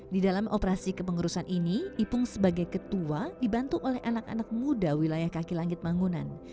di dalam operasi kepengurusan ini ipung sebagai ketua dibantu oleh anak anak muda wilayah kaki langit mangunan